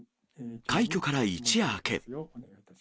快挙から一夜明け。